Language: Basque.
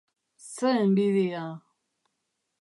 Ze enbidia!